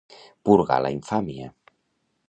Purgar la infàmia.